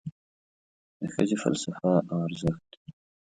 د ښځې فلسفه او ارزښت